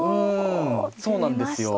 そうなんですよ。